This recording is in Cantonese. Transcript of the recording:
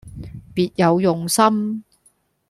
別有用心